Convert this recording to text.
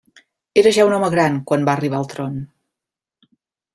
Era ja un home gran quan va arribar al tron.